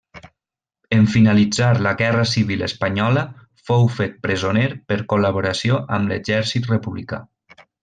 En finalitzar la Guerra Civil espanyola fou fet presoner per col·laboració amb l'exèrcit republicà.